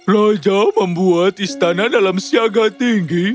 raja membuat istana dalam siaga tinggi